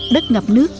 đất ngập nước